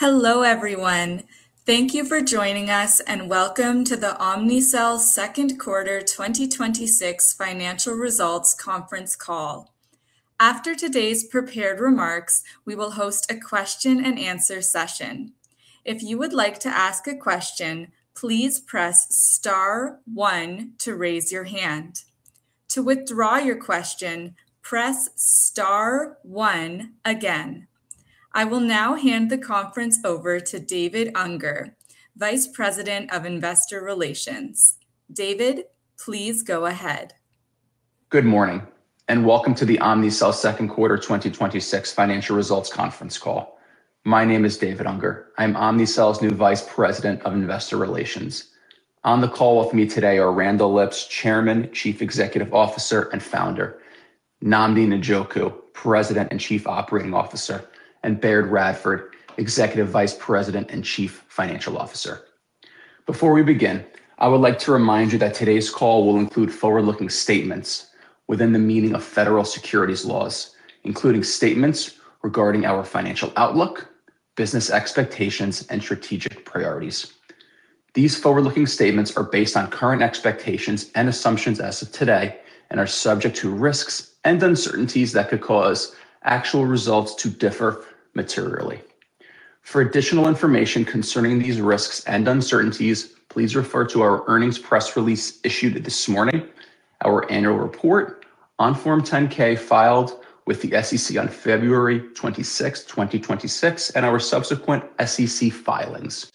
Hello everyone. Thank you for joining us, and welcome to the Omnicell Second Quarter 2026 Financial Results Conference Call. After today's prepared remarks, we will host a question and answer session. If you would like to ask a question, please press star one to raise your hand. To withdraw your question, press star one again. I will now hand the conference over to David Unger, Vice President of Investor Relations. David, please go ahead. Good morning, and welcome to the Omnicell Second Quarter 2026 Financial Results Conference Call. My name is David Unger. I'm Omnicell's new Vice President of Investor Relations. On the call with me today are Randall Lipps, Chairman, Chief Executive Officer, and Founder, Nnamdi Njoku, President and Chief Operating Officer, and Baird Radford, Executive Vice President and Chief Financial Officer. Before we begin, I would like to remind you that today's call will include forward-looking statements within the meaning of federal securities laws, including statements regarding our financial outlook, business expectations, and strategic priorities. These forward-looking statements are based on current expectations and assumptions as of today and are subject to risks and uncertainties that could cause actual results to differ materially. For additional information concerning these risks and uncertainties, please refer to our earnings press release issued this morning, our annual report on Form 10-K filed with the SEC on February 26th, 2026, and our subsequent SEC filings.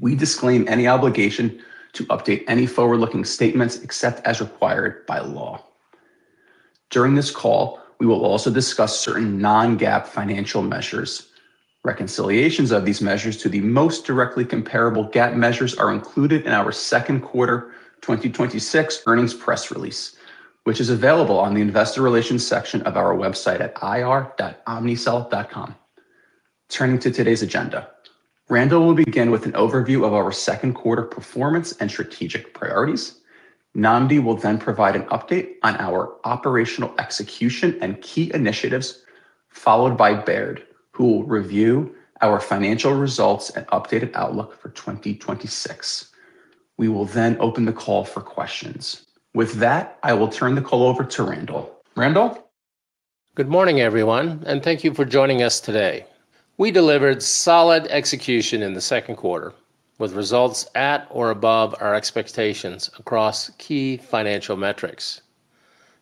We disclaim any obligation to update any forward-looking statements except as required by law. During this call, we will also discuss certain non-GAAP financial measures. Reconciliations of these measures to the most directly comparable GAAP measures are included in our second quarter 2026 earnings press release, which is available on the investor relations section of our website at ir.omnicell.com. Turning to today's agenda, Randall will begin with an overview of our second quarter performance and strategic priorities. Nnamdi will then provide an update on our operational execution and key initiatives, followed by Baird, who will review our financial results and updated outlook for 2026. We will then open the call for questions. With that, I will turn the call over to Randall. Randall? Good morning, everyone, and thank you for joining us today. We delivered solid execution in the second quarter, with results at or above our expectations across key financial metrics.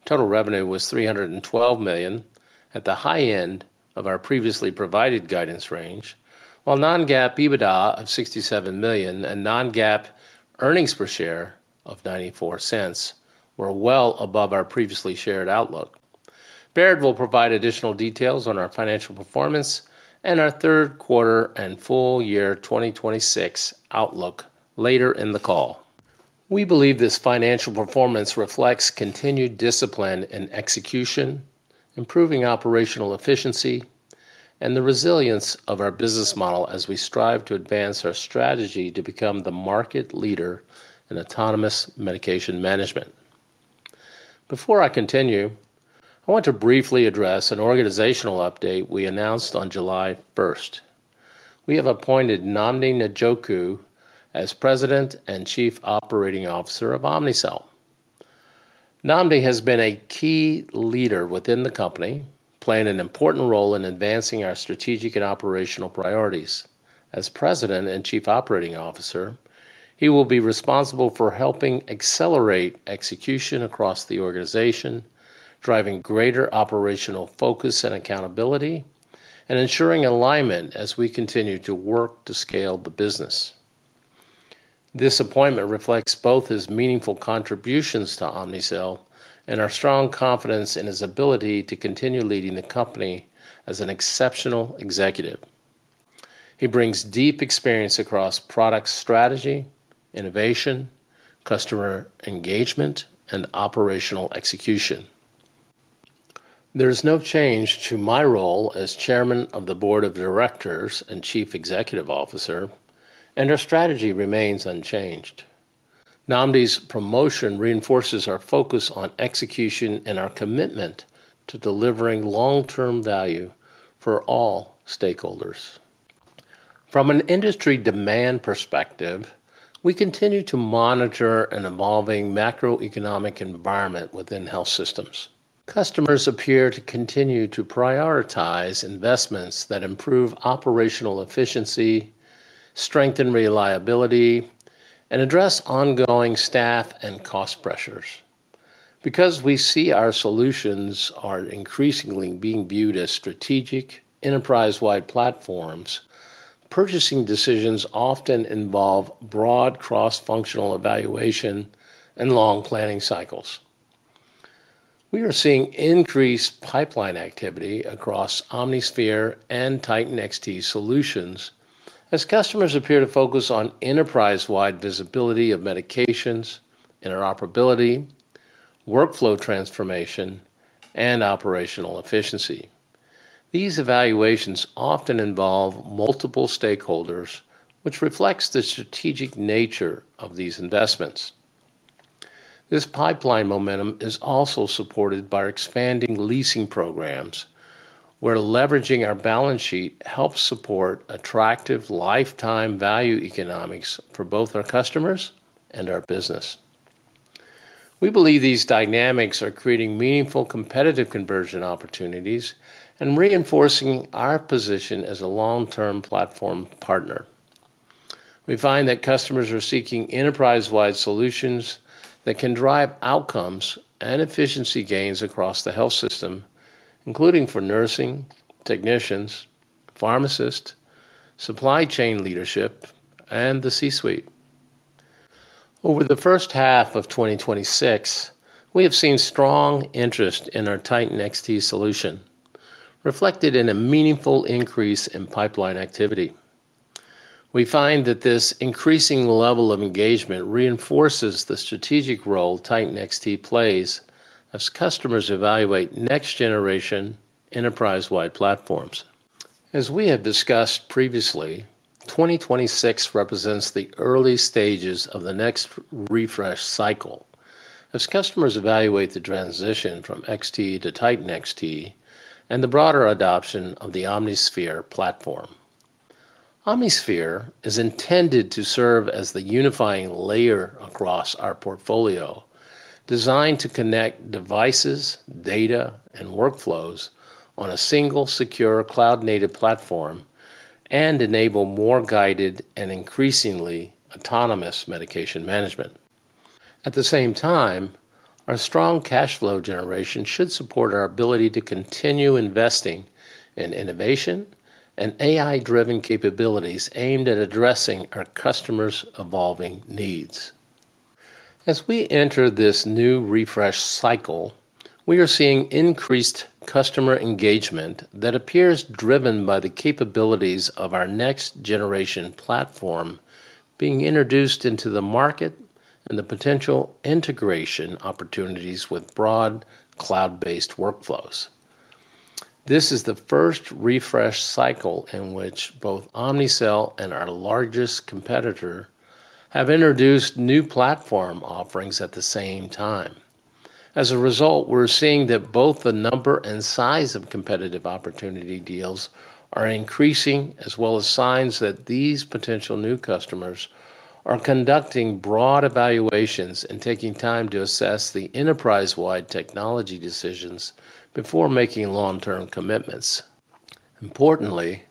Total revenue was $312 million, at the high end of our previously provided guidance range, while non-GAAP EBITDA of $67 million and non-GAAP earnings per share of $0.94 were well above our previously shared outlook. Baird will provide additional details on our financial performance and our third quarter and full year 2026 outlook later in the call. We believe this financial performance reflects continued discipline and execution, improving operational efficiency, and the resilience of our business model as we strive to advance our strategy to become the market leader in autonomous medication management. Before I continue, I want to briefly address an organizational update we announced on July 1st. We have appointed Nnamdi Njoku as President and Chief Operating Officer of Omnicell. Nnamdi has been a key leader within the company, playing an important role in advancing our strategic and operational priorities. As President and Chief Operating Officer, he will be responsible for helping accelerate execution across the organization, driving greater operational focus and accountability, and ensuring alignment as we continue to work to scale the business. This appointment reflects both his meaningful contributions to Omnicell and our strong confidence in his ability to continue leading the company as an exceptional executive. He brings deep experience across product strategy, innovation, customer engagement, and operational execution. There is no change to my role as Chairman of the Board of Directors and Chief Executive Officer, and our strategy remains unchanged. Nnamdi's promotion reinforces our focus on execution and our commitment to delivering long-term value for all stakeholders. From an industry demand perspective, we continue to monitor an evolving macroeconomic environment within health systems. Customers appear to continue to prioritize investments that improve operational efficiency, strengthen reliability, and address ongoing staff and cost pressures. Because we see our solutions are increasingly being viewed as strategic, enterprise-wide platforms, purchasing decisions often involve broad cross-functional evaluation and long planning cycles. We are seeing increased pipeline activity across OmniSphere and Titan XT solutions as customers appear to focus on enterprise-wide visibility of medications, interoperability, workflow transformation, and operational efficiency. These evaluations often involve multiple stakeholders, which reflects the strategic nature of these investments. This pipeline momentum is also supported by our expanding leasing programs, where leveraging our balance sheet helps support attractive lifetime value economics for both our customers and our business. We believe these dynamics are creating meaningful competitive conversion opportunities and reinforcing our position as a long-term platform partner. We find that customers are seeking enterprise-wide solutions that can drive outcomes and efficiency gains across the health system, including for nursing, technicians, pharmacists, supply chain leadership, and the C-suite. Over the first half of 2026, we have seen strong interest in our Titan XT solution, reflected in a meaningful increase in pipeline activity. We find that this increasing level of engagement reinforces the strategic role Titan XT plays as customers evaluate next generation enterprise-wide platforms. As we had discussed previously, 2026 represents the early stages of the next refresh cycle, as customers evaluate the transition from XT to Titan XT and the broader adoption of the OmniSphere platform. OmniSphere is intended to serve as the unifying layer across our portfolio, designed to connect devices, data, and workflows on a single secure cloud-native platform and enable more guided and increasingly autonomous medication management. At the same time, our strong cash flow generation should support our ability to continue investing in innovation and AI-driven capabilities aimed at addressing our customers' evolving needs. As we enter this new refresh cycle, we are seeing increased customer engagement that appears driven by the capabilities of our next generation platform being introduced into the market and the potential integration opportunities with broad cloud-based workflows. This is the first refresh cycle in which both Omnicell and our largest competitor have introduced new platform offerings at the same time. As a result, we're seeing that both the number and size of competitive opportunity deals are increasing, as well as signs that these potential new customers are conducting broad evaluations and taking time to assess the enterprise-wide technology decisions before making long-term commitments. Importantly,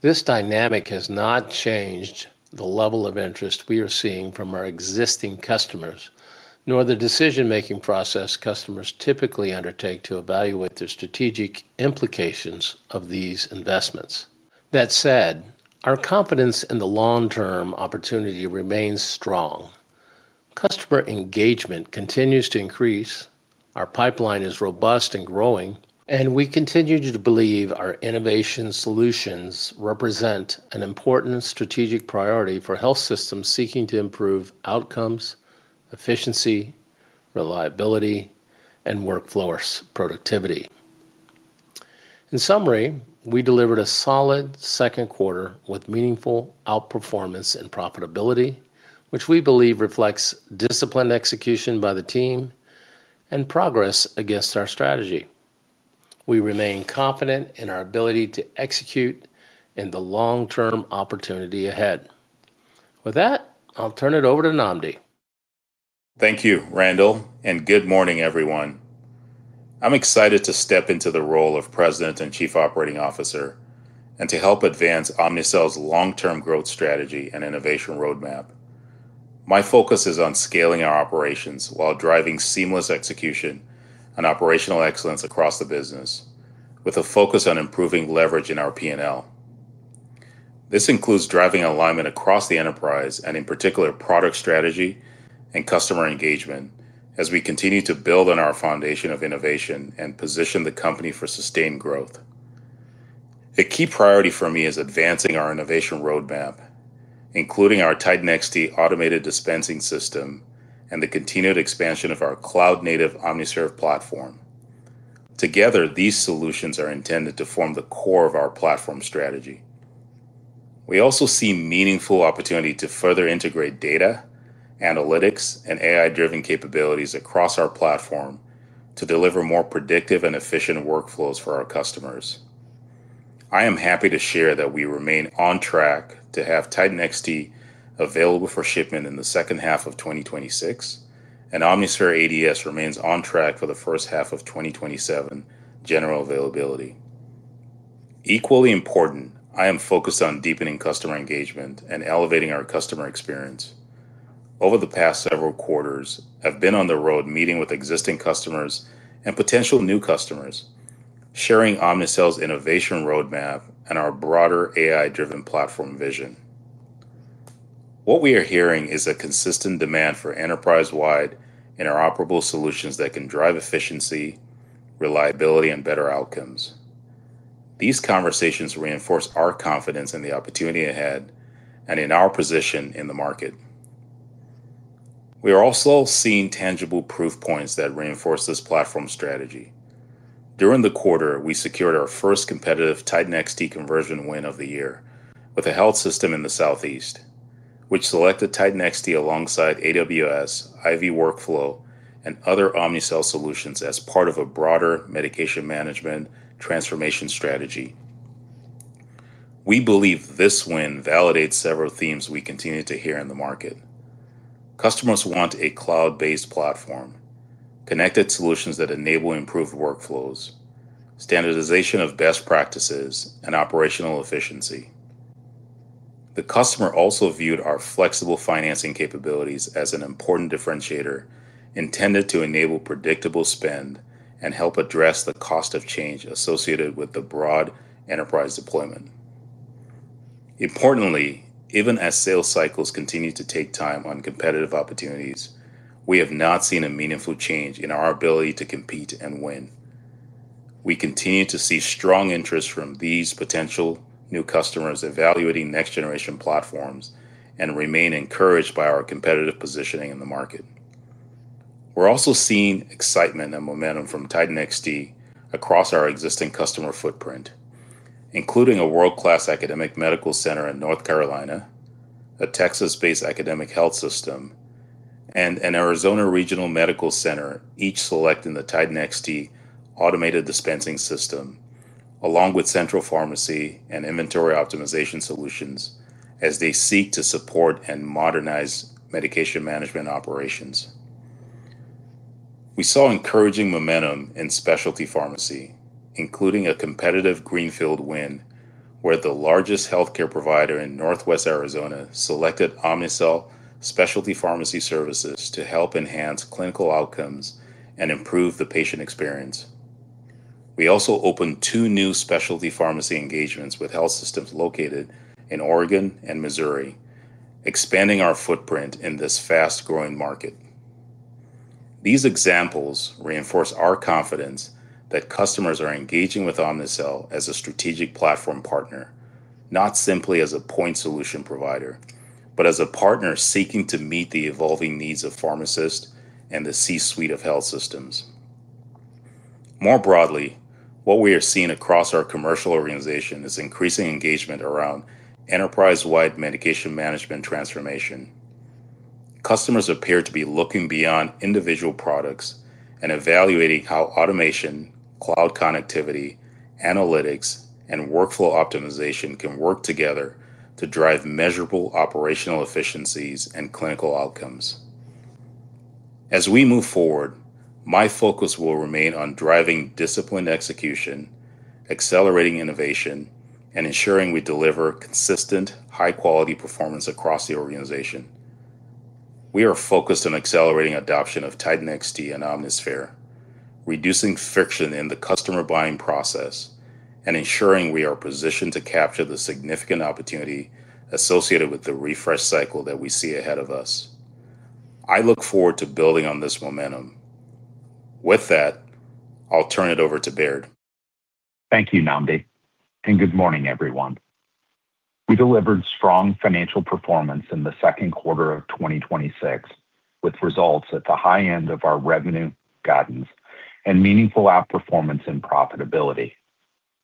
this dynamic has not changed the level of interest we are seeing from our existing customers, nor the decision-making process customers typically undertake to evaluate the strategic implications of these investments. That said, our confidence in the long-term opportunity remains strong. Customer engagement continues to increase, our pipeline is robust and growing, and we continue to believe our innovation solutions represent an important strategic priority for health systems seeking to improve outcomes, efficiency, reliability, and workforce productivity. In summary, we delivered a solid second quarter with meaningful outperformance and profitability, which we believe reflects disciplined execution by the team and progress against our strategy. We remain confident in our ability to execute in the long-term opportunity ahead. With that, I'll turn it over to Nnamdi. Thank you, Randall, and good morning, everyone. I'm excited to step into the role of President and Chief Operating Officer and to help advance Omnicell's long-term growth strategy and innovation roadmap. My focus is on scaling our operations while driving seamless execution and operational excellence across the business with a focus on improving leverage in our P&L. This includes driving alignment across the enterprise and in particular, product strategy and customer engagement as we continue to build on our foundation of innovation and position the company for sustained growth. The key priority for me is advancing our innovation roadmap, including our Titan XT automated dispensing system and the continued expansion of our cloud-native OmniSphere platform. Together, these solutions are intended to form the core of our platform strategy. We also see meaningful opportunity to further integrate data, analytics, and AI-driven capabilities across our platform to deliver more predictive and efficient workflows for our customers. I am happy to share that we remain on track to have Titan XT available for shipment in the second half of 2026, and OmniSphere ADS remains on track for the first half of 2027 general availability. Equally important, I am focused on deepening customer engagement and elevating our customer experience. Over the past several quarters, I've been on the road meeting with existing customers and potential new customers, sharing Omnicell's innovation roadmap and our broader AI-driven platform vision. What we are hearing is a consistent demand for enterprise-wide interoperable solutions that can drive efficiency, reliability, and better outcomes. These conversations reinforce our confidence in the opportunity ahead and in our position in the market. We are also seeing tangible proof points that reinforce this platform strategy. During the quarter, we secured our first competitive Titan XT conversion win of the year with a health system in the Southeast, which selected Titan XT alongside AWS, IVX Workflow, and other Omnicell solutions as part of a broader medication management transformation strategy. We believe this win validates several themes we continue to hear in the market. Customers want a cloud-based platform, connected solutions that enable improved workflows, standardization of best practices, and operational efficiency. The customer also viewed our flexible financing capabilities as an important differentiator intended to enable predictable spend and help address the cost of change associated with the broad enterprise deployment. Importantly, even as sales cycles continue to take time on competitive opportunities, we have not seen a meaningful change in our ability to compete and win. We continue to see strong interest from these potential new customers evaluating next generation platforms and remain encouraged by our competitive positioning in the market. We are also seeing excitement and momentum from Titan XT across our existing customer footprint, including a world-class academic medical center in North Carolina, a Texas-based academic health system, and an Arizona regional medical center, each selecting the Titan XT automated dispensing system along with central pharmacy and inventory optimization solutions as they seek to support and modernize medication management operations. We saw encouraging momentum in specialty pharmacy, including a competitive greenfield win where the largest healthcare provider in northwest Arizona selected Omnicell specialty pharmacy services to help enhance clinical outcomes and improve the patient experience. We also opened two new specialty pharmacy engagements with health systems located in Oregon and Missouri, expanding our footprint in this fast-growing market. These examples reinforce our confidence that customers are engaging with Omnicell as a strategic platform partner, not simply as a point solution provider, but as a partner seeking to meet the evolving needs of pharmacists and the C-suite of health systems. More broadly, what we are seeing across our commercial organization is increasing engagement around enterprise-wide medication management transformation. Customers appear to be looking beyond individual products and evaluating how automation, cloud connectivity, analytics, and workflow optimization can work together to drive measurable operational efficiencies and clinical outcomes. As we move forward, my focus will remain on driving disciplined execution, accelerating innovation, and ensuring we deliver consistent high-quality performance across the organization. We are focused on accelerating adoption of Titan XT and OmniSphere, reducing friction in the customer buying process, and ensuring we are positioned to capture the significant opportunity associated with the refresh cycle that we see ahead of us. I look forward to building on this momentum. With that, I will turn it over to Baird. Thank you, Nnamdi, and good morning, everyone. We delivered strong financial performance in the second quarter of 2026 with results at the high end of our revenue guidance and meaningful outperformance and profitability.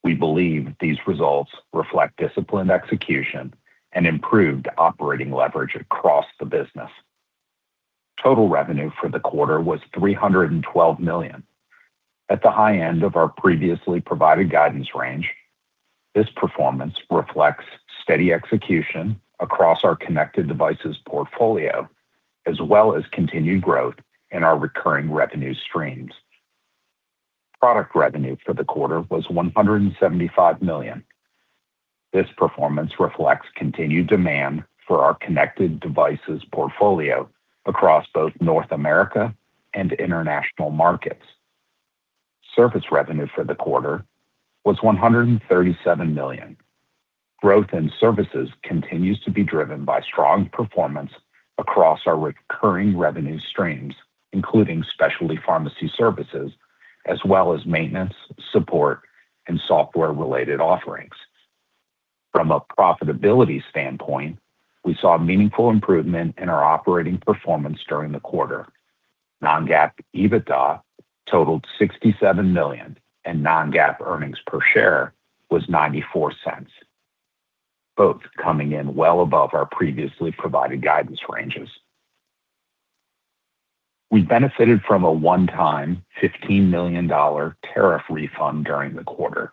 We believe these results reflect disciplined execution and improved operating leverage across the business. Total revenue for the quarter was $312 million. At the high end of our previously provided guidance range, this performance reflects steady execution across our connected devices portfolio, as well as continued growth in our recurring revenue streams. Product revenue for the quarter was $175 million. This performance reflects continued demand for our connected devices portfolio across both North America and international markets. Service revenue for the quarter was $137 million. Growth in services continues to be driven by strong performance across our recurring revenue streams, including specialty pharmacy services as well as maintenance, support, and software related offerings. From a profitability standpoint, we saw meaningful improvement in our operating performance during the quarter. Non-GAAP EBITDA totaled $67 million and non-GAAP earnings per share was $0.94, both coming in well above our previously provided guidance ranges. We benefited from a one-time $15 million tariff refund during the quarter.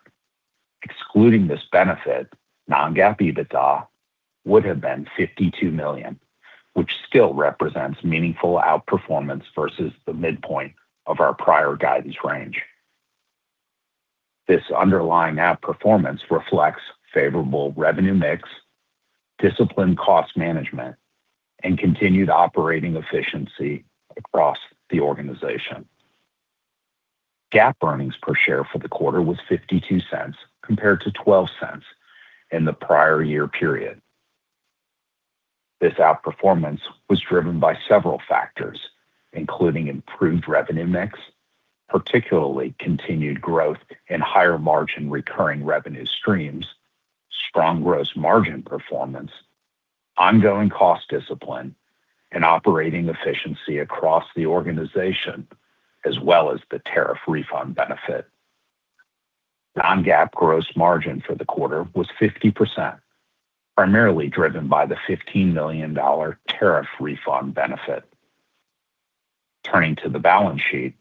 Excluding this benefit, non-GAAP EBITDA would have been $52 million, which still represents meaningful outperformance versus the midpoint of our prior guidance range. This underlying outperformance reflects favorable revenue mix, disciplined cost management, and continued operating efficiency across the organization. GAAP earnings per share for the quarter was $0.52 compared to $0.12 in the prior year period. This outperformance was driven by several factors, including improved revenue mix, particularly continued growth in higher margin recurring revenue streams, strong gross margin performance, ongoing cost discipline, and operating efficiency across the organization, as well as the tariff refund benefit. Non-GAAP gross margin for the quarter was 50%, primarily driven by the $15 million tariff refund benefit. Turning to the balance sheet,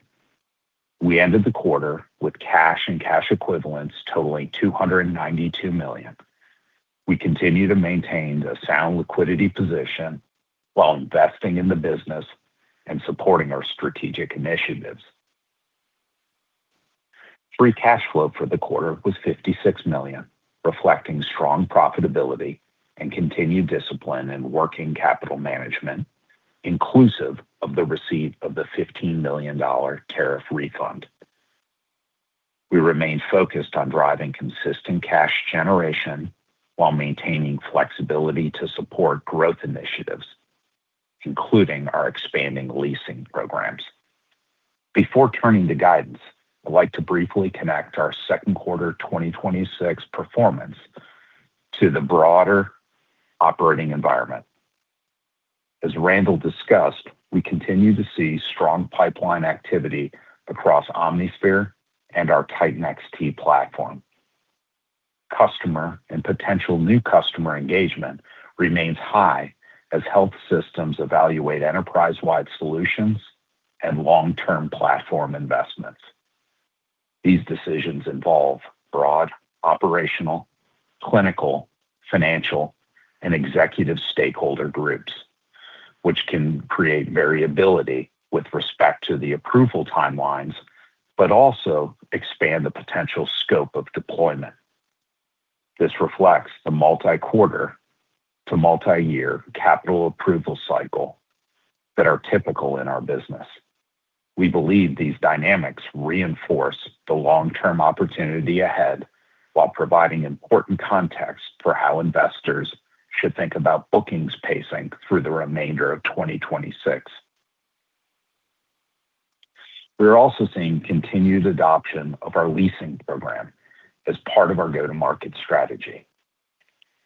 we ended the quarter with cash and cash equivalents totaling $292 million. We continue to maintain a sound liquidity position while investing in the business and supporting our strategic initiatives. Free cash flow for the quarter was $56 million, reflecting strong profitability and continued discipline in working capital management, inclusive of the receipt of the $15 million tariff refund. We remain focused on driving consistent cash generation while maintaining flexibility to support growth initiatives, including our expanding leasing programs. Before turning to guidance, I'd like to briefly connect our second quarter 2026 performance to the broader operating environment. As Randall discussed, we continue to see strong pipeline activity across OmniSphere and our Titan XT platform. Customer and potential new customer engagement remains high as health systems evaluate enterprise-wide solutions and long-term platform investments. These decisions involve broad operational, clinical, financial, and executive stakeholder groups, which can create variability with respect to the approval timelines, but also expand the potential scope of deployment. This reflects the multi-quarter to multi-year capital approval cycle that are typical in our business. We believe these dynamics reinforce the long-term opportunity ahead while providing important context for how investors should think about bookings pacing through the remainder of 2026. We are also seeing continued adoption of our leasing program as part of our go-to-market strategy.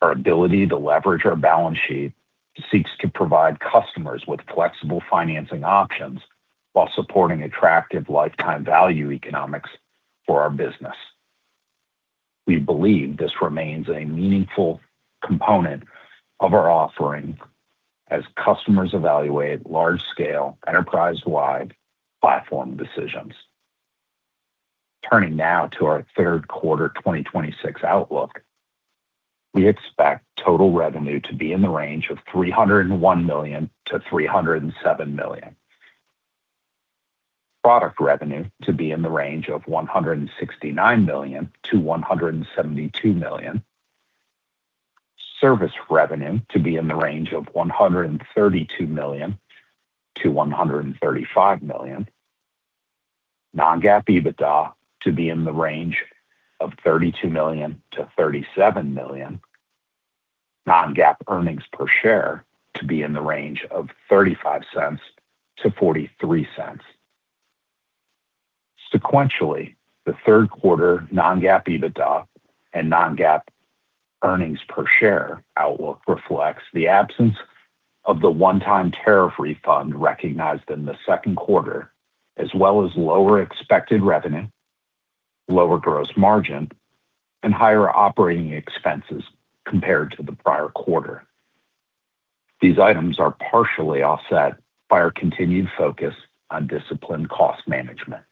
Our ability to leverage our balance sheet seeks to provide customers with flexible financing options while supporting attractive lifetime value economics for our business. We believe this remains a meaningful component of our offering as customers evaluate large-scale, enterprise-wide platform decisions. Turning now to our third quarter 2026 outlook, we expect total revenue to be in the range of $301 million-$307 million. Product revenue to be in the range of $169 million-$172 million. Service revenue to be in the range of $132 million-$135 million. Non-GAAP EBITDA to be in the range of $32 million-$37 million. Non-GAAP earnings per share to be in the range of $0.35-$0.43. Sequentially, the third quarter non-GAAP EBITDA and non-GAAP earnings per share outlook reflects the absence of the one-time tariff refund recognized in the second quarter, as well as lower expected revenue, lower gross margin, and higher operating expenses compared to the prior quarter. These items are partially offset by our continued focus on disciplined cost management.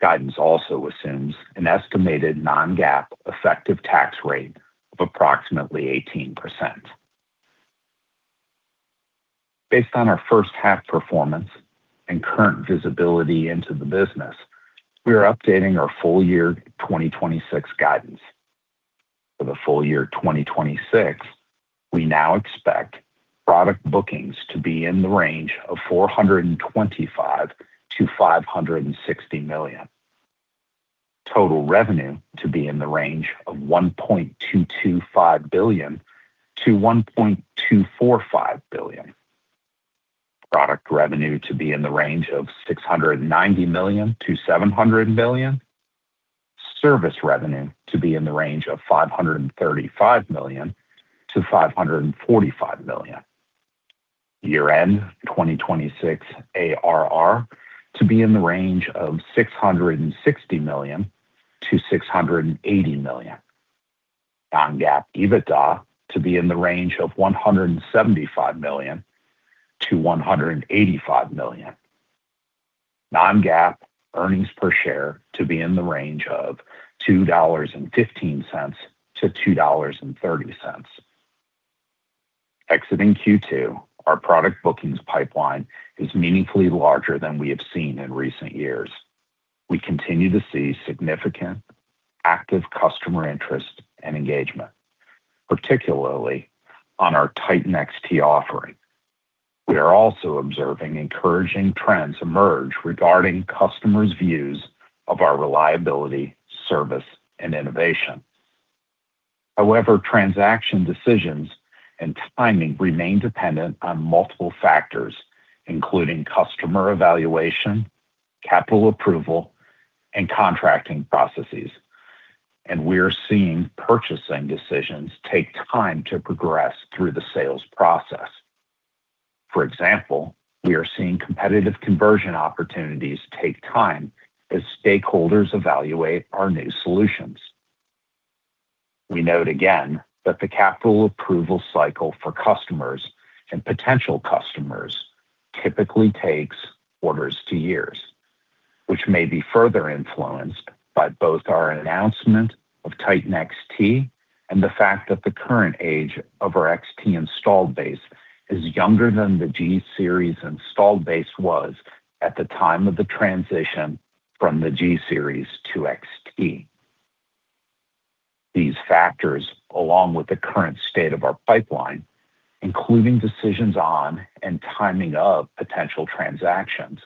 Guidance also assumes an estimated non-GAAP effective tax rate of approximately 18%. Based on our first half performance and current visibility into the business, we are updating our full year 2026 guidance. For the full year 2026, we now expect product bookings to be in the range of $425 million-$560 million. Total revenue to be in the range of $1.225 billion-$1.245 billion. Product revenue to be in the range of $690 million-$700 million. Service revenue to be in the range of $535 million-$545 million. Year-end 2026 ARR to be in the range of $660 million-$680 million. Non-GAAP EBITDA to be in the range of $175 million-$185 million. Non-GAAP earnings per share to be in the range of $2.15-$2.30. Exiting Q2, our product bookings pipeline is meaningfully larger than we have seen in recent years. We continue to see significant active customer interest and engagement, particularly on our Titan XT offering. We are also observing encouraging trends emerge regarding customers' views of our reliability, service, and innovation. However, transaction decisions and timing remain dependent on multiple factors, including customer evaluation capital approval, and contracting processes, and we are seeing purchasing decisions take time to progress through the sales process. For example, we are seeing competitive conversion opportunities take time as stakeholders evaluate our new solutions. We note again that the capital approval cycle for customers and potential customers typically takes quarters to years, which may be further influenced by both our announcement of Titan XT and the fact that the current age of our XT installed base is younger than the G series installed base was at the time of the transition from the G series to XT. These factors, along with the current state of our pipeline, including decisions on and timing of potential transactions,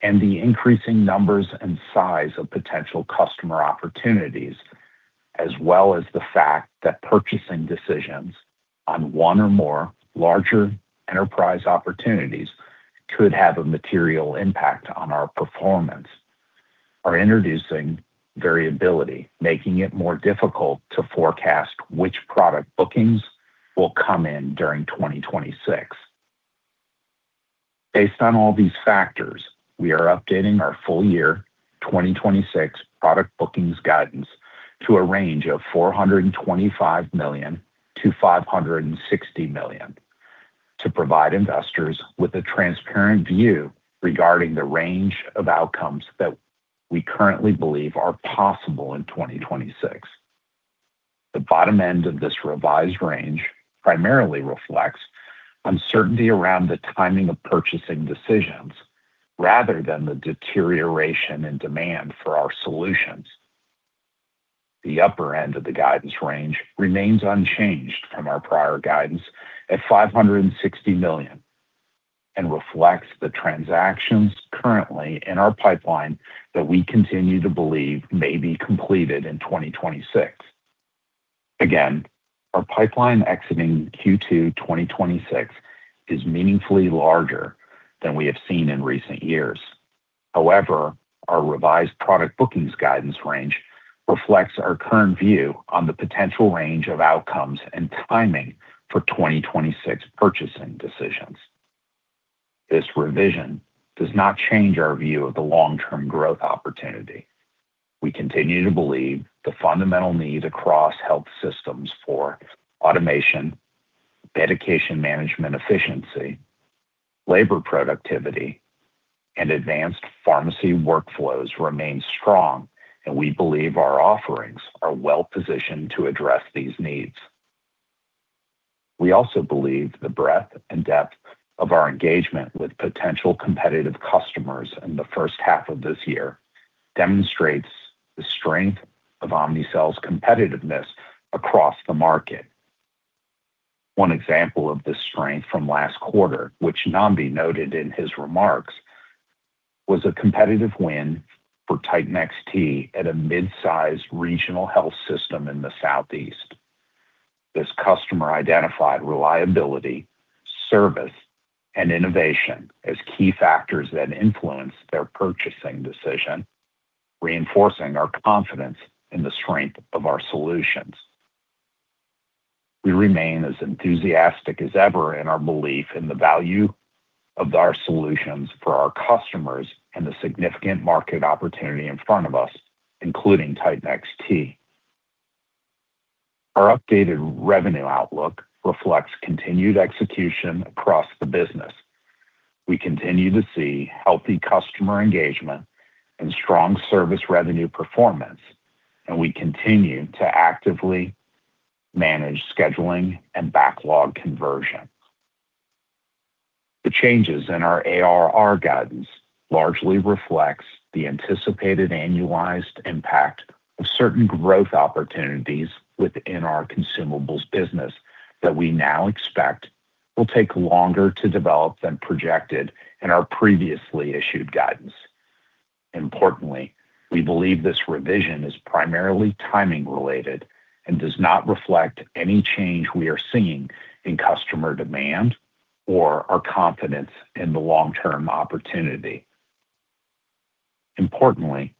and the increasing numbers and size of potential customer opportunities, as well as the fact that purchasing decisions on one or more larger enterprise opportunities could have a material impact on our performance, are introducing variability, making it more difficult to forecast which product bookings will come in during 2026. Based on all these factors, we are updating our full year 2026 product bookings guidance to a range of $425 million-$560 million to provide investors with a transparent view regarding the range of outcomes that we currently believe are possible in 2026. The bottom end of this revised range primarily reflects uncertainty around the timing of purchasing decisions rather than the deterioration in demand for our solutions. The upper end of the guidance range remains unchanged from our prior guidance at $560 million and reflects the transactions currently in our pipeline that we continue to believe may be completed in 2026. Our pipeline exiting Q2 2026 is meaningfully larger than we have seen in recent years. However, our revised product bookings guidance range reflects our current view on the potential range of outcomes and timing for 2026 purchasing decisions. This revision does not change our view of the long-term growth opportunity. We continue to believe the fundamental need across health systems for automation, medication management efficiency, labor productivity, and advanced pharmacy workflows remain strong, and we believe our offerings are well positioned to address these needs. We also believe the breadth and depth of our engagement with potential competitive customers in the first half of this year demonstrates the strength of Omnicell's competitiveness across the market. One example of this strength from last quarter, which Nnamdi noted in his remarks, was a competitive win for Titan XT at a midsize regional health system in the Southeast. This customer identified reliability, service, and innovation as key factors that influenced their purchasing decision, reinforcing our confidence in the strength of our solutions. We remain as enthusiastic as ever in our belief in the value of our solutions for our customers and the significant market opportunity in front of us, including Titan XT. Our updated revenue outlook reflects continued execution across the business. We continue to see healthy customer engagement and strong service revenue performance, and we continue to actively manage scheduling and backlog conversion. The changes in our ARR guidance largely reflects the anticipated annualized impact of certain growth opportunities within our consumables business that we now expect will take longer to develop than projected in our previously issued guidance. Importantly, we believe this revision is primarily timing related and does not reflect any change we are seeing in customer demand or our confidence in the long-term opportunity. Importantly,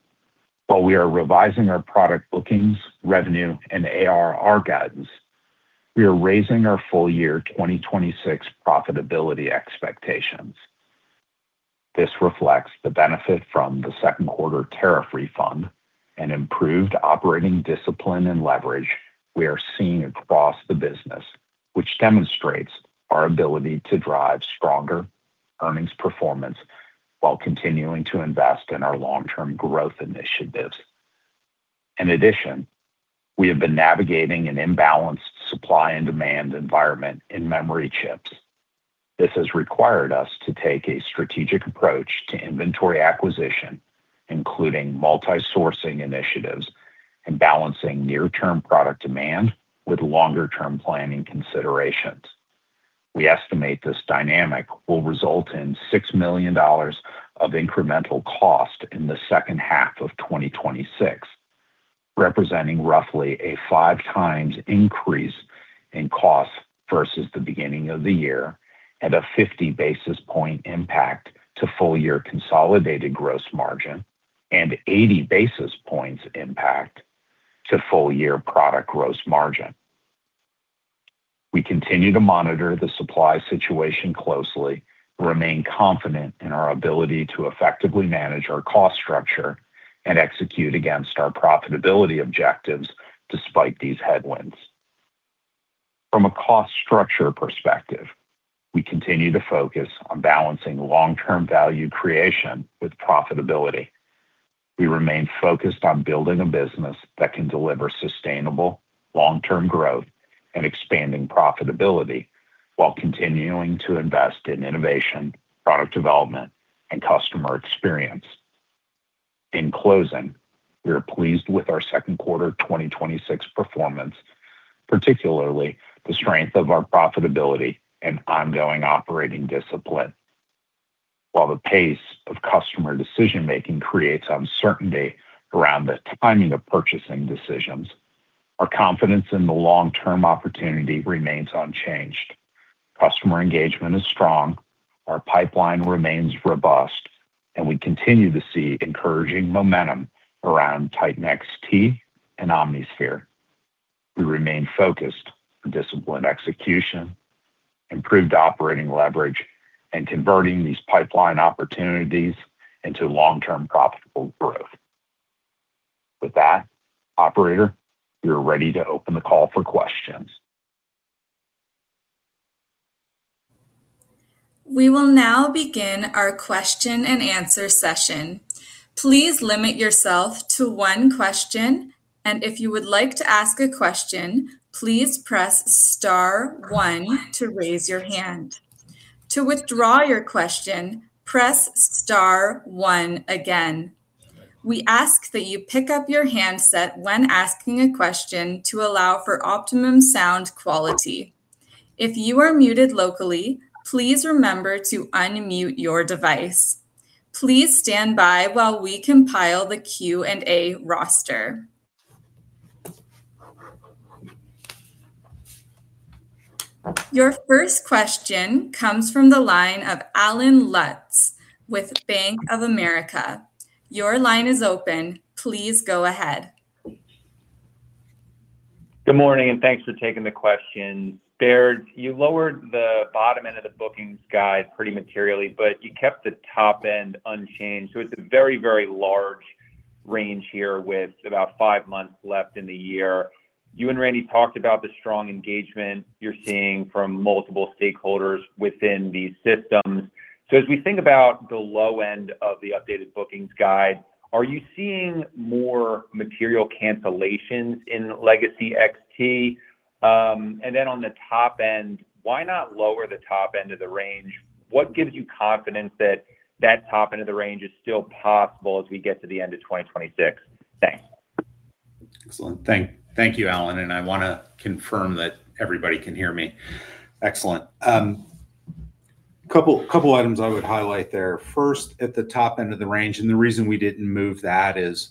while we are revising our product bookings, revenue, and ARR guidance, we are raising our full year 2026 profitability expectations. This reflects the benefit from the second quarter tariff refund and improved operating discipline and leverage we are seeing across the business, which demonstrates our ability to drive stronger earnings performance while continuing to invest in our long-term growth initiatives. In addition, we have been navigating an imbalanced supply and demand environment in memory chips. This has required us to take a strategic approach to inventory acquisition, including multi-sourcing initiatives and balancing near term product demand with longer term planning considerations. We estimate this dynamic will result in $6 million of incremental cost in the second half of 2026 representing roughly a five times increase in cost versus the beginning of the year, and a 50 basis points impact to full year consolidated gross margin, and 80 basis points impact to full year product gross margin. We continue to monitor the supply situation closely, remain confident in our ability to effectively manage our cost structure, and execute against our profitability objectives despite these headwinds. From a cost structure perspective, we continue to focus on balancing long-term value creation with profitability. We remain focused on building a business that can deliver sustainable, long-term growth and expanding profitability while continuing to invest in innovation, product development, and customer experience. In closing, we are pleased with our second quarter 2026 performance, particularly the strength of our profitability and ongoing operating discipline. While the pace of customer decision-making creates uncertainty around the timing of purchasing decisions, our confidence in the long-term opportunity remains unchanged. Customer engagement is strong, our pipeline remains robust, and we continue to see encouraging momentum around Titan XT and OmniSphere. We remain focused on disciplined execution, improved operating leverage, and converting these pipeline opportunities into long-term profitable growth. With that, operator, we are ready to open the call for questions. We will now begin our question and answer session. Please limit yourself to one question, and if you would like to ask a question, please press star one to raise your hand. To withdraw your question, press star one again. We ask that you pick up your handset when asking a question to allow for optimum sound quality. If you are muted locally, please remember to unmute your device. Please stand by while we compile the Q&A roster. Your first question comes from the line of Allen Lutz with Bank of America. Your line is open. Please go ahead. Good morning, thanks for taking the question. Baird, you lowered the bottom end of the bookings guide pretty materially, but you kept the top end unchanged. It's a very, very large range here with about five months left in the year. You and Randy talked about the strong engagement you're seeing from multiple stakeholders within these systems. As we think about the low end of the updated bookings guide, are you seeing more material cancellations in Legacy XT? On the top end, why not lower the top end of the range? What gives you confidence that that top end of the range is still possible as we get to the end of 2026? Thanks. Excellent. Thank you, Allen, I want to confirm that everybody can hear me. Excellent. Couple items I would highlight there. First, at the top end of the range, the reason we didn't move that is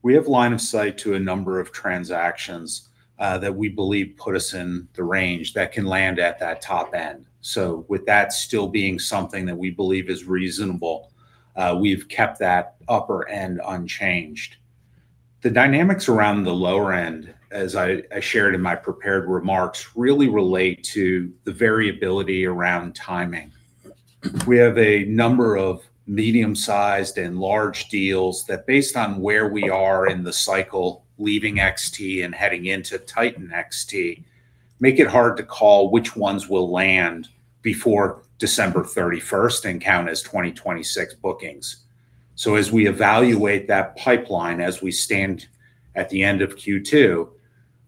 we have line of sight to a number of transactions that we believe put us in the range that can land at that top end. With that still being something that we believe is reasonable, we've kept that upper end unchanged. The dynamics around the lower end, as I shared in my prepared remarks, really relate to the variability around timing. We have a number of medium-sized and large deals that based on where we are in the cycle, leaving XT and heading into Titan XT, make it hard to call which ones will land before December 31st and count as 2026 bookings. As we evaluate that pipeline, as we stand at the end of Q2,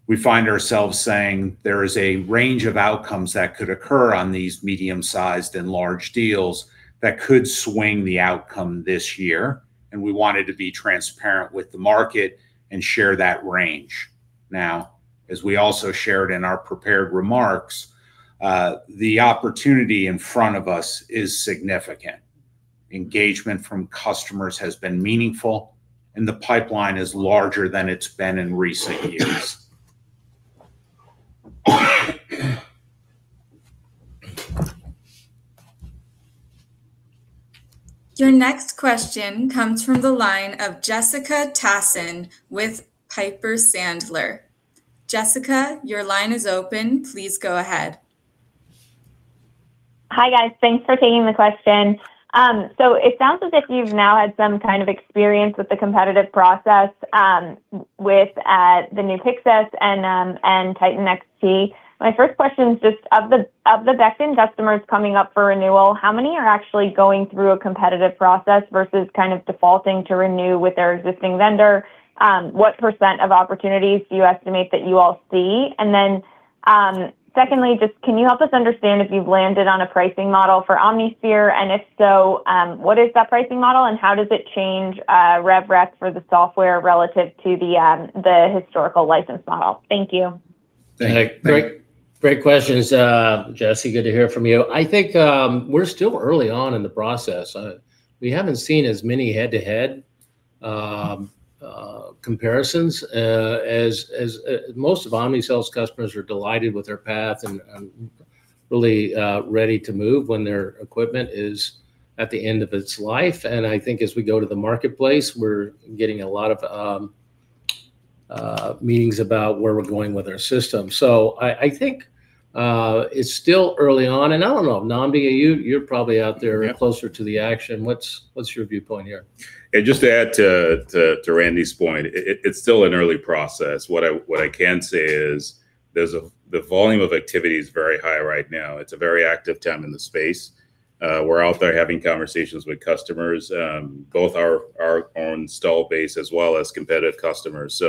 we find ourselves saying there is a range of outcomes that could occur on these medium-sized and large deals that could swing the outcome this year, and we wanted to be transparent with the market and share that range. As we also shared in our prepared remarks, the opportunity in front of us is significant. Engagement from customers has been meaningful, and the pipeline is larger than it's been in recent years. Your next question comes from the line of Jessica Tassan with Piper Sandler. Jessica, your line is open. Please go ahead. Hi, guys. Thanks for taking the question. It sounds as if you've now had some kind of experience with the competitive process with the new Pyxis and Titan XT. My first question is just of the back-end customers coming up for renewal, how many are actually going through a competitive process versus kind of defaulting to renew with their existing vendor? What percent of opportunities do you estimate that you all see? And then secondly, just can you help us understand if you've landed on a pricing model for OmniSphere? And if so, what is that pricing model, and how does it change rev rec for the software relative to the historical license model? Thank you. Thank you. Great questions, Jess. Good to hear from you. I think we're still early on in the process. We haven't seen as many head-to-head comparisons as most of Omnicell's customers are delighted with their path and really ready to move when their equipment is at the end of its life. I think as we go to the marketplace, we're getting a lot of meetings about where we're going with our system. I think it's still early on, and I don't know, Nnamdi, you're probably out there- Yeah. -closer to the action. What's your viewpoint here? Just to add to Randy's point, it's still an early process. What I can say is the volume of activity is very high right now. It's a very active time in the space. We're out there having conversations with customers, both our own install base as well as competitive customers.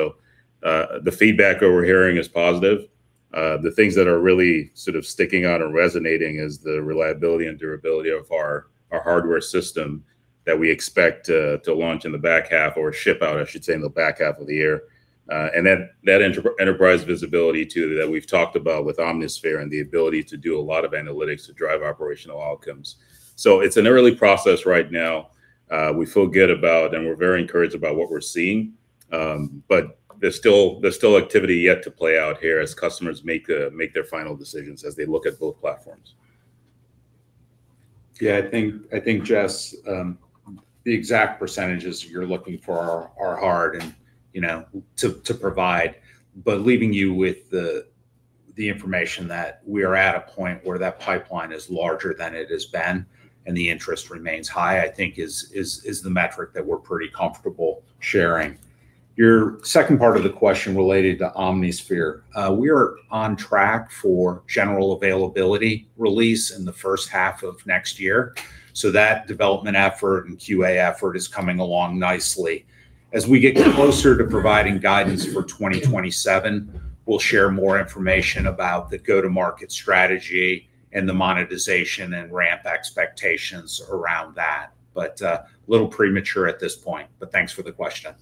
The feedback that we're hearing is positive. The things that are really sticking out and resonating is the reliability and durability of our hardware system that we expect to launch in the back half or ship out, I should say, in the back half of the year. That enterprise visibility too, that we've talked about with OmniSphere and the ability to do a lot of analytics to drive operational outcomes. It's an early process right now. We feel good about, and we're very encouraged about what we're seeing. There's still activity yet to play out here as customers make their final decisions as they look at both platforms. I think, Jess, the exact percentages you're looking for are hard to provide. Leaving you with the information that we are at a point where that pipeline is larger than it has been, and the interest remains high, I think is the metric that we're pretty comfortable sharing. Your second part of the question related to OmniSphere. We are on track for general availability release in the first half of next year. That development effort and QA effort is coming along nicely. As we get closer to providing guidance for 2027, we'll share more information about the go-to-market strategy and the monetization and ramp expectations around that. A little premature at this point, but thanks for the question.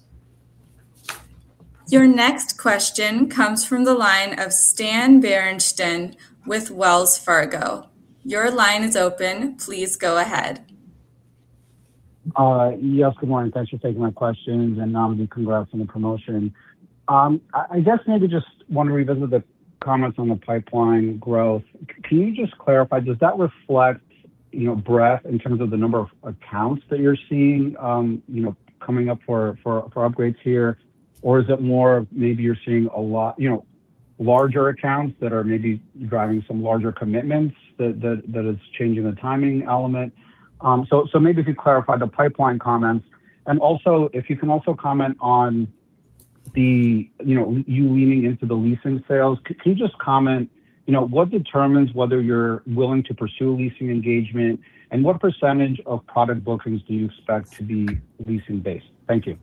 Your next question comes from the line of Stan Berenshteyn with Wells Fargo. Your line is open. Please go ahead. Good morning. Thanks for taking my questions, and Nnamdi, congrats on the promotion. I guess maybe just want to revisit the comments on the pipeline growth. Can you just clarify, does that reflect breadth in terms of the number of accounts that you're seeing coming up for upgrades here? Or is it more of maybe you're seeing larger accounts that are maybe driving some larger commitments that is changing the timing element? Maybe if you clarify the pipeline comments, and also if you can also comment on you leaning into the leasing sales. Can you just comment what determines whether you're willing to pursue a leasing engagement, and what percentage of product bookings do you expect to be leasing based? Thank you.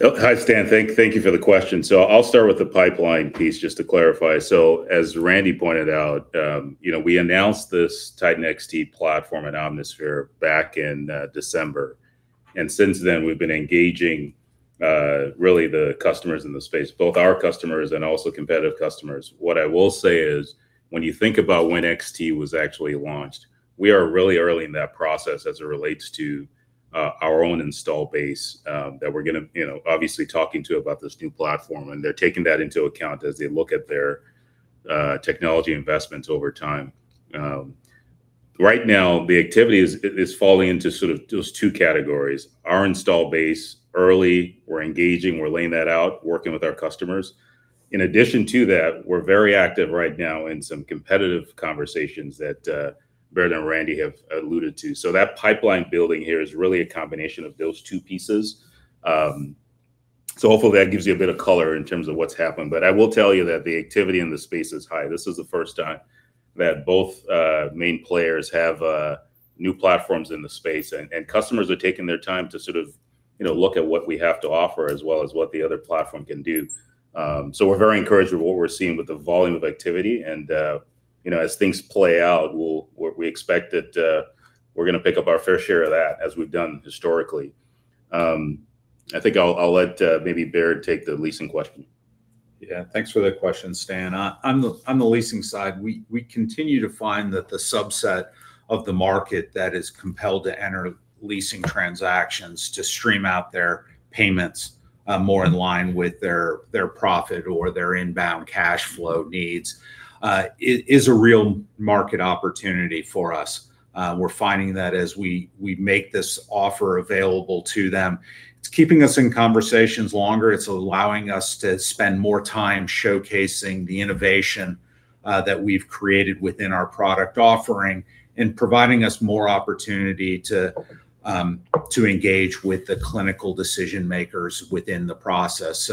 Hi, Stan. Thank you for the question. I'll start with the pipeline piece, just to clarify. As Randy pointed out, we announced this Titan XT platform at OmniSphere back in December. Since then, we've been engaging really the customers in the space, both our customers and also competitive customers. What I will say is when you think about when XT was actually launched, we are really early in that process as it relates to our own install base that we're going to obviously talking to about this new platform, and they're taking that into account as they look at their technology investments over time. Right now, the activity is falling into sort of those two categories. Our install base early, we're engaging, we're laying that out, working with our customers. In addition to that, we're very active right now in some competitive conversations that Baird and Randy have alluded to. That pipeline building here is really a combination of those two pieces. Hopefully that gives you a bit of color in terms of what's happened. I will tell you that the activity in the space is high. This is the first time that both main players have new platforms in the space, and customers are taking their time to look at what we have to offer as well as what the other platform can do. We're very encouraged with what we're seeing with the volume of activity, and as things play out, we expect that we're going to pick up our fair share of that as we've done historically. I think I'll let maybe Baird take the leasing question. Thanks for that question, Stan. On the leasing side, we continue to find that the subset of the market that is compelled to enter leasing transactions to stream out their payments more in line with their profit or their inbound cash flow needs, is a real market opportunity for us. We're finding that as we make this offer available to them, it's keeping us in conversations longer. It's allowing us to spend more time showcasing the innovation that we've created within our product offering and providing us more opportunity to engage with the clinical decision makers within the process.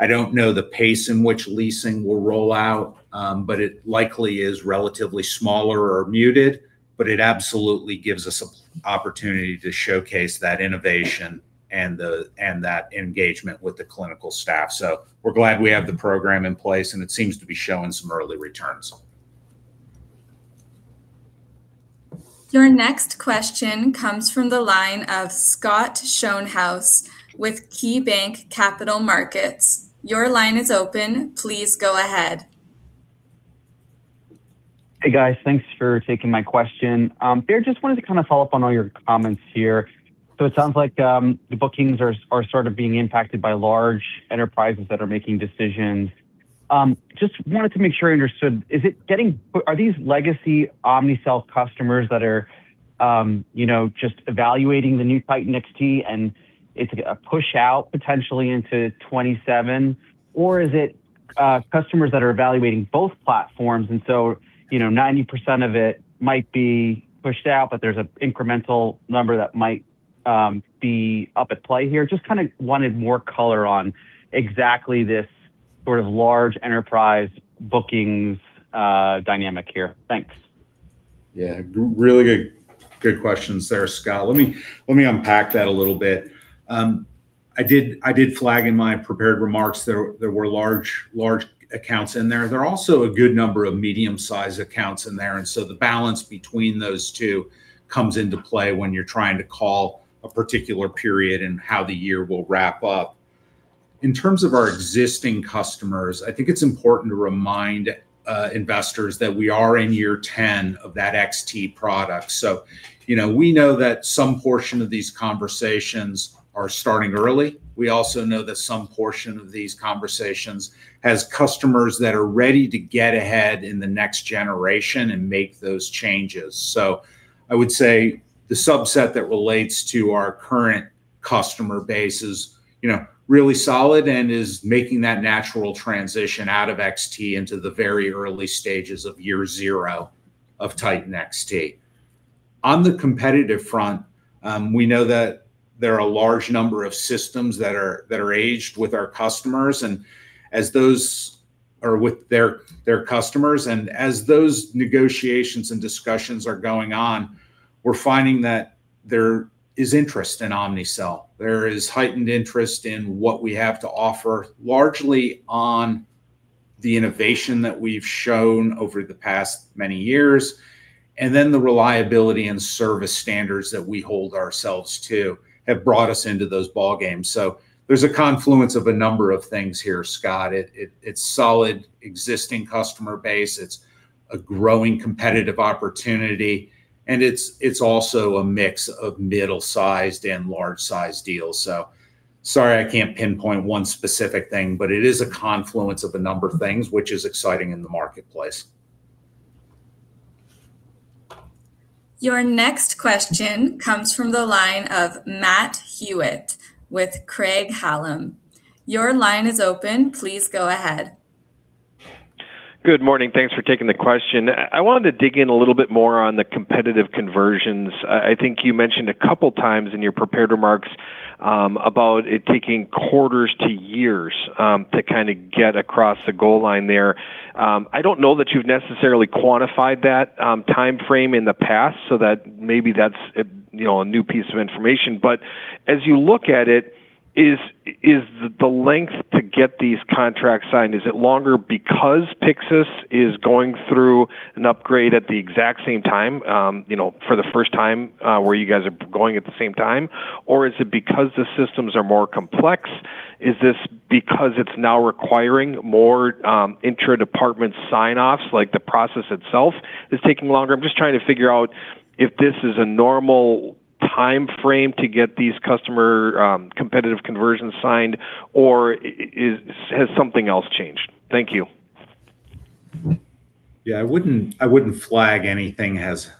I don't know the pace in which leasing will roll out, but it likely is relatively smaller or muted, it absolutely gives us an opportunity to showcase that innovation and that engagement with the clinical staff. We're glad we have the program in place, and it seems to be showing some early returns. Your next question comes from the line of Scott Schoenhaus with KeyBanc Capital Markets. Your line is open. Please go ahead. Hey, guys. Thanks for taking my question. Baird, just wanted to follow up on all your comments here. It sounds like the bookings are sort of being impacted by large enterprises that are making decisions. Just wanted to make sure I understood. Are these legacy Omnicell customers that are just evaluating the new Titan XT, and it's a push-out potentially into 2027? Or is it customers that are evaluating both platforms and so 90% of it might be pushed out, but there's an incremental number that might be up at play here? Just wanted more color on exactly this sort of large enterprise bookings dynamic here. Thanks. Yeah. Really good questions there, Scott. Let me unpack that a little bit. I did flag in my prepared remarks there were large accounts in there. There are also a good number of medium-sized accounts in there, the balance between those two comes into play when you're trying to call a particular period and how the year will wrap up. In terms of our existing customers, I think it's important to remind investors that we are in year 10 of that XT product. We know that some portion of these conversations are starting early. We also know that some portion of these conversations has customers that are ready to get ahead in the next generation and make those changes. I would say the subset that relates to our current customer base is really solid and is making that natural transition out of XT into the very early stages of year zero of Titan XT. On the competitive front, we know that there are a large number of systems that are aged with their customers. As those negotiations and discussions are going on, we're finding that there is interest in Omnicell. There is heightened interest in what we have to offer, largely on the innovation that we've shown over the past many years, and then the reliability and service standards that we hold ourselves to have brought us into those ballgames. There's a confluence of a number of things here, Scott. It's solid existing customer base, it's a growing competitive opportunity, and it's also a mix of middle-sized and large-sized deals. Sorry I can't pinpoint one specific thing, but it is a confluence of a number of things which is exciting in the marketplace. Your next question comes from the line of Matt Hewitt with Craig-Hallum. Your line is open. Please go ahead. Good morning. Thanks for taking the question. I wanted to dig in a little bit more on the competitive conversions. I think you mentioned a couple of times in your prepared remarks about it taking quarters to years to kind of get across the goal line there. I don't know that you've necessarily quantified that timeframe in the past, so that maybe that's a new piece of information. As you look at it, is the length to get these contracts signed, is it longer because Pyxis is going through an upgrade at the exact same time, for the first time where you guys are going at the same time? Or is it because the systems are more complex? Is this because it's now requiring more intra-department sign-offs, like the process itself is taking longer? I'm just trying to figure out if this is a normal timeframe to get these customer competitive conversions signed, or has something else changed? Thank you. Yeah, I wouldn't flag anything as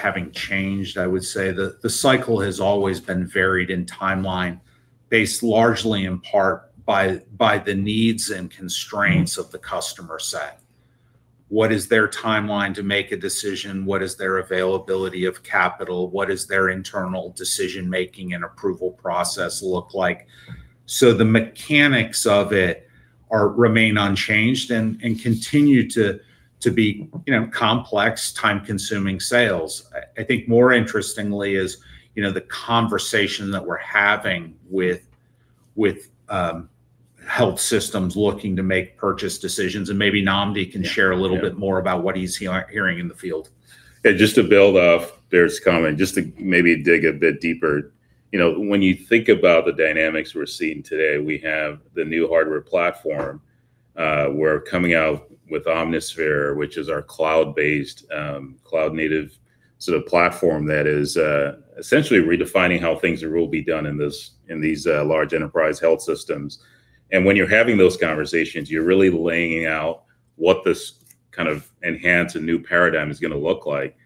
having changed. I would say the cycle has always been varied in timeline, based largely in part by the needs and constraints of the customer set. What is their timeline to make a decision? What is their availability of capital? What does their internal decision-making and approval process look like? The mechanics of it remain unchanged and continue to be complex, time-consuming sales. I think more interestingly is the conversation that we're having with health systems looking to make purchase decisions, maybe Nnamdi can share a little bit more about what he's hearing in the field. Just to build off Baird's comment, just to maybe dig a bit deeper. When you think about the dynamics we're seeing today, we have the new hardware platform. We're coming out with OmniSphere, which is our cloud-based, cloud-native platform that is essentially redefining how things will be done in these large enterprise health systems. When you're having those conversations, you're really laying out what this kind of enhanced and new paradigm is going to look like.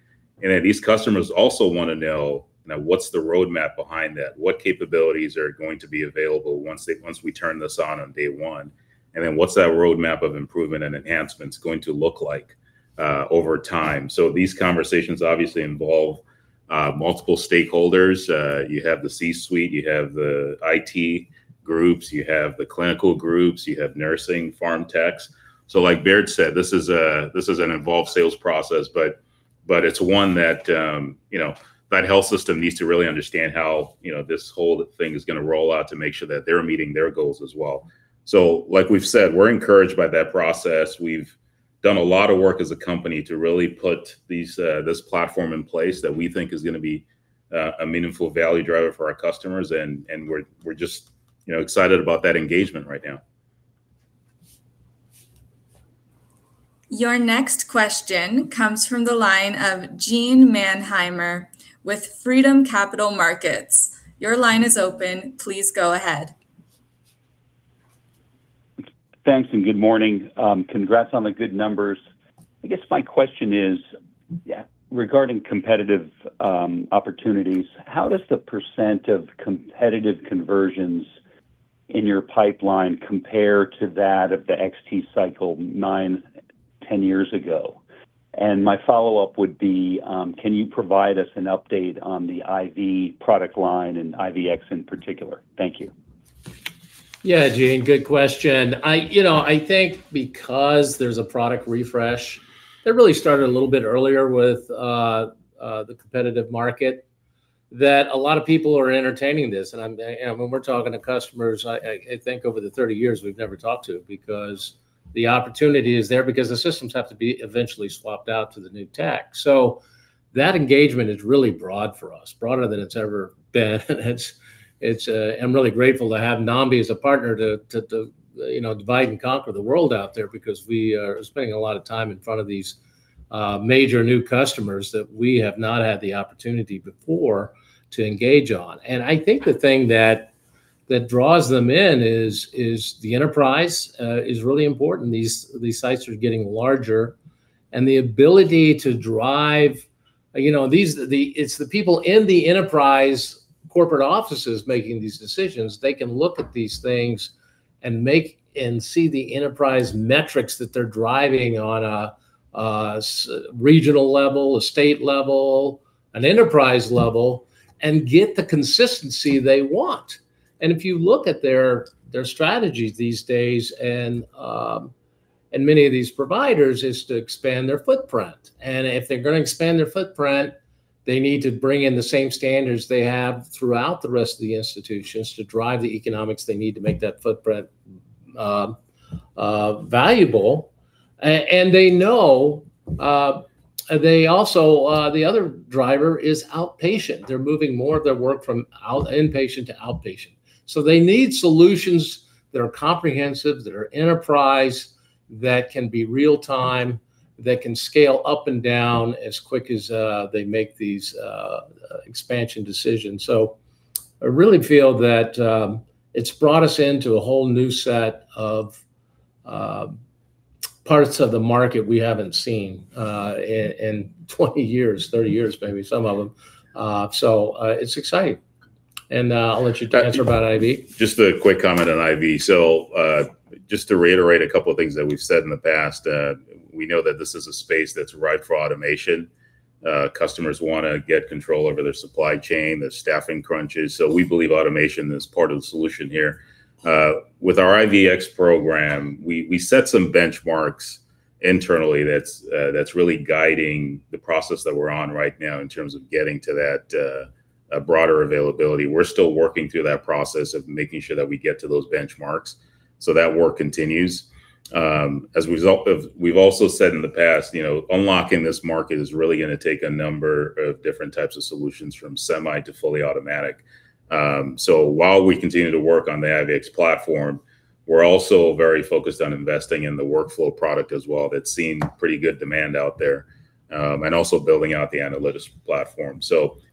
These customers also want to know now what's the roadmap behind that, what capabilities are going to be available once we turn this on on day one, and then what's that roadmap of improvement and enhancements going to look like over time. These conversations obviously involve multiple stakeholders. You have the C-suite, you have the IT groups, you have the clinical groups, you have nursing, pharm techs. Like Baird said, this is an involved sales process, but it's one that health system needs to really understand how this whole thing is going to roll out to make sure that they're meeting their goals as well. Like we've said, we're encouraged by that process. We've done a lot of work as a company to really put this platform in place that we think is going to be a meaningful value driver for our customers, and we're just excited about that engagement right now. Your next question comes from the line of Gene Mannheimer with Freedom Capital Markets. Your line is open. Please go ahead. Thanks, good morning. Congrats on the good numbers. I guess my question is regarding competitive opportunities. How does the percent of competitive conversions in your pipeline compare to that of the XT cycle nine, 10 years ago? My follow-up would be, can you provide us an update on the IV product line and IVX in particular? Thank you. Yeah, Gene, good question. I think because there's a product refresh that really started a little bit earlier with the competitive market, that a lot of people are entertaining this. When we're talking to customers, I think over the 30 years we've never talked to, because the opportunity is there because the systems have to be eventually swapped out to the new tech. That engagement is really broad for us, broader than it's ever been. I'm really grateful to have Nnamdi as a partner to divide and conquer the world out there because we are spending a lot of time in front of these major new customers that we have not had the opportunity before to engage on. I think the thing that draws them in is the enterprise is really important. These sites are getting larger. It's the people in the enterprise corporate offices making these decisions. They can look at these things and see the enterprise metrics that they're driving on a regional level, a state level, an enterprise level, and get the consistency they want. If you look at their strategies these days, and many of these providers, is to expand their footprint. If they're going to expand their footprint, they need to bring in the same standards they have throughout the rest of the institutions to drive the economics they need to make that footprint valuable. They know the other driver is outpatient. They're moving more of their work from inpatient to outpatient. They need solutions that are comprehensive, that are enterprise, that can be real time, that can scale up and down as quick as they make these expansion decisions. I really feel that it's brought us into a whole new set of parts of the market we haven't seen in 20 years, 30 years maybe, some of them. It's exciting. I'll let you answer about IV. Just a quick comment on IV. Just to reiterate a couple of things that we've said in the past, we know that this is a space that's ripe for automation. Customers want to get control over their supply chain, there's staffing crunches. We believe automation is part of the solution here. With our IVX program, we set some benchmarks internally that's really guiding the process that we're on right now in terms of getting to that broader availability. We're still working through that process of making sure that we get to those benchmarks, so that work continues. We've also said in the past, unlocking this market is really going to take a number of different types of solutions from semi to fully automatic. While we continue to work on the IVX platform, we're also very focused on investing in the workflow product as well. That's seen pretty good demand out there. Also building out the analytics platform.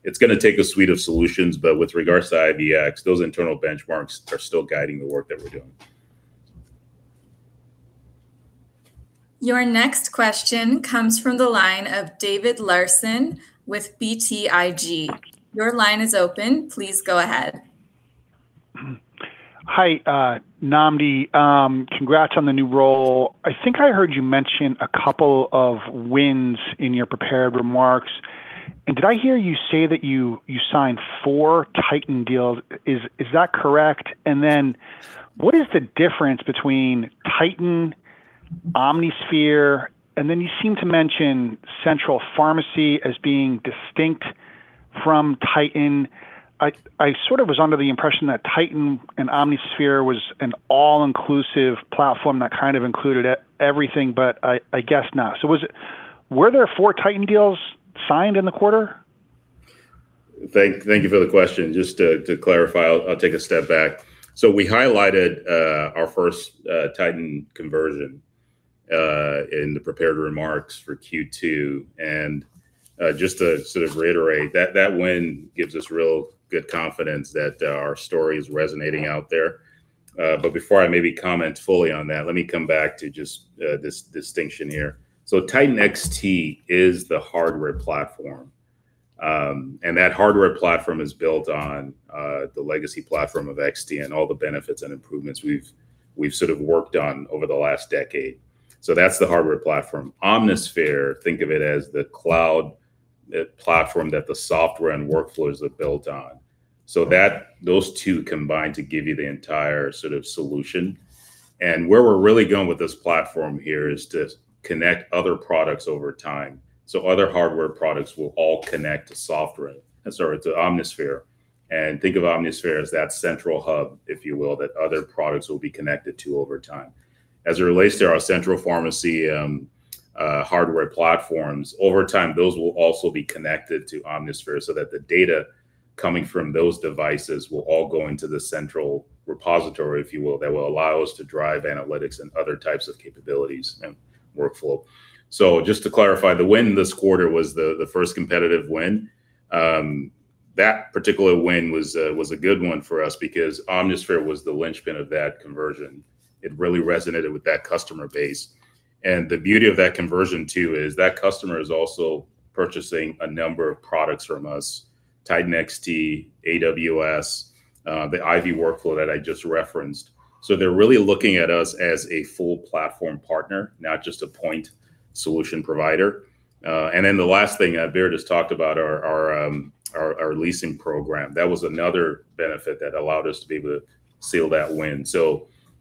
It's going to take a suite of solutions, but with regards to IVX, those internal benchmarks are still guiding the work that we're doing. Your next question comes from the line of David Larsen with BTIG. Your line is open. Please go ahead. Hi, Nnamdi. Congrats on the new role. I think I heard you mention a couple of wins in your prepared remarks. Did I hear you say that you signed four Titan deals? Is that correct? What is the difference between Titan, OmniSphere, and then you seem to mention Central Pharmacy as being distinct from Titan. I sort of was under the impression that Titan and OmniSphere was an all-inclusive platform that kind of included everything, but I guess not. Were there four Titan deals signed in the quarter? Thank you for the question. Just to clarify, I'll take a step back. We highlighted our first Titan conversion in the prepared remarks for Q2. Just to sort of reiterate, that win gives us real good confidence that our story is resonating out there. Before I maybe comment fully on that, let me come back to just this distinction here. Titan XT is the hardware platform, and that hardware platform is built on the legacy platform of XT and all the benefits and improvements we've sort of worked on over the last decade. That's the hardware platform. OmniSphere, think of it as the cloud platform that the software and workflows are built on. Those two combine to give you the entire sort of solution. Where we're really going with this platform here is to connect other products over time. Other hardware products will all connect to OmniSphere. Think of OmniSphere as that central hub, if you will, that other products will be connected to over time. As it relates to our central pharmacy hardware platforms, over time, those will also be connected to OmniSphere so that the data coming from those devices will all go into the central repository, if you will, that will allow us to drive analytics and other types of capabilities and workflow. Just to clarify, the win this quarter was the first competitive win. That particular win was a good one for us because OmniSphere was the linchpin of that conversion. It really resonated with that customer base. The beauty of that conversion too is that customer is also purchasing a number of products from us, Titan XT, AWS, the IVX Workflow that I just referenced. They're really looking at us as a full platform partner, not just a point solution provider. The last thing, Baird just talked about our leasing program. That was another benefit that allowed us to be able to seal that win.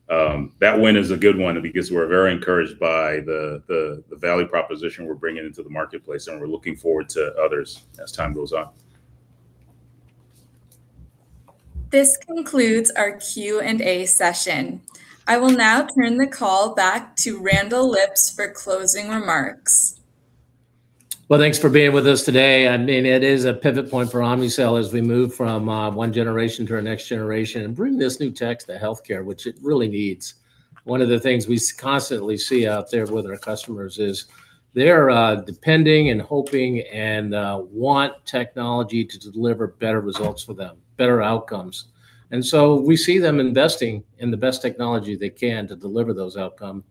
That win is a good one because we're very encouraged by the value proposition we're bringing into the marketplace, and we're looking forward to others as time goes on. This concludes our Q&A session. I will now turn the call back to Randall Lipps for closing remarks. Thanks for being with us today. It is a pivot point for Omnicell as we move from one generation to our next generation and bring this new tech to healthcare, which it really needs. One of the things we constantly see out there with our customers is they're depending and hoping and want technology to deliver better results for them, better outcomes. We see them investing in the best technology they can to deliver those outcome,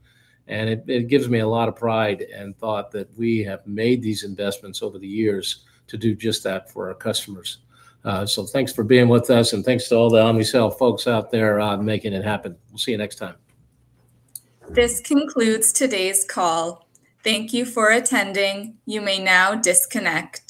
and it gives me a lot of pride and thought that we have made these investments over the years to do just that for our customers. Thanks for being with us, and thanks to all the Omnicell folks out there making it happen. We'll see you next time. This concludes today's call. Thank you for attending. You may now disconnect.